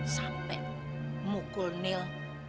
sampai mukul nil